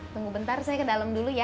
tunggu bentar saya ke dalam dulu ya